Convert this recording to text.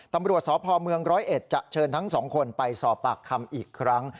ตำรวจสอบภอร์เมือง๑๐๑จะเชิญทั้งสองคนไปสอบปากคำอีกครั้ง